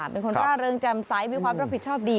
เป็นคนพระเริงจำไซต์มีความรับผิดชอบดี